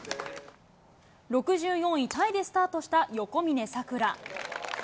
６４位タイでスタートした横峯さくら。